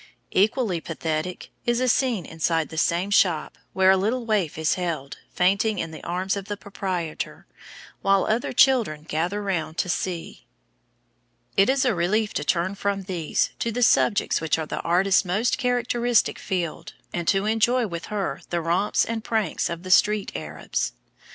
Equally pathetic is a scene inside the same shop, where a little waif is held, fainting, in the arms of the proprietor, while other children gather round to see. [Illustration: LONDON STREET ARABS. DOROTHY STANLEY.] It is a relief to turn from these to the subjects which are the artist's most characteristic field, and to enjoy with her the romps and pranks of the street Arabs.